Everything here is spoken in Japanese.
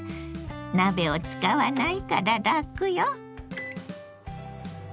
鍋を使わないからラクよ！